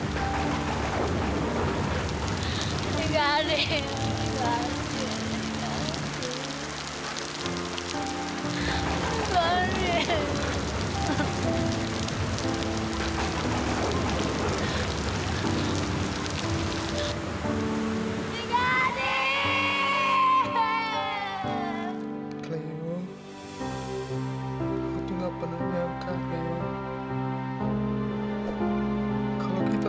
jangan lupa like share dan subscribe ya